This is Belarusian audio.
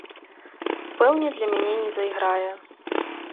Пэўне для мяне не зайграе.